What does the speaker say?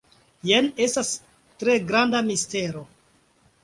Jen estas tre granda mistero.